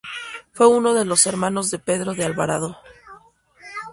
Fue uno de los hermanos de Pedro de Alvarado.